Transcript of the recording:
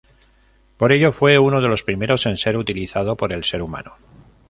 Por ello fue uno de los primeros en ser utilizado por el ser humano.